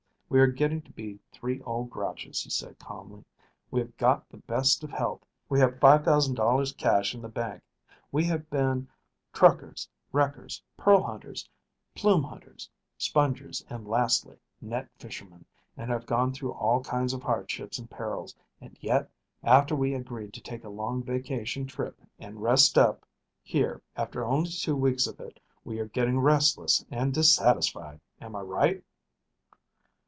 "We are getting to be three old grouches," he said calmly. "We have got the best of health. We have got $5,000 cash in the bank. We have been truckers, wreckers, pearl hunters, plume hunters, spongers, and, lastly, net fishermen, and have gone through all kinds of hardships and perils, and yet, after we agreed to take a long vacation trip and rest up, here after only two weeks of it we are getting restless and dissatisfied. Am I right?"